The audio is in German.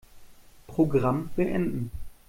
Programm beenden.